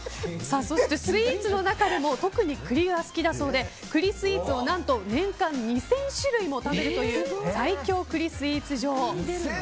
そしてスイーツの中でも特に栗が好きだそうで栗スイーツを何と年間２０００種類も食べるという最強栗スイーツ女王。